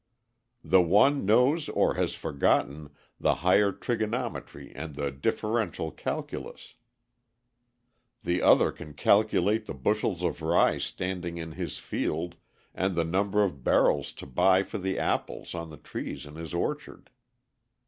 The one knows or has forgotten the higher trigonometry and the differential calculus; The other can calculate the bushels of rye standing in his field and the number of barrels to buy for the apples on the trees in his orchard.